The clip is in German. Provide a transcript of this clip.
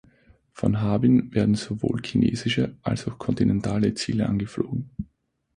Von Harbin werden sowohl chinesische als auch kontinentale Ziele angeflogen.